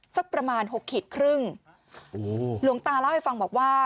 สักประมาณหกขีดครึ่งโอ้โหหลวงตาเล่าให้ฟังบอกว่า